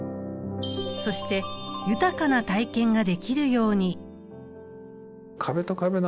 そして豊かな体験ができるように。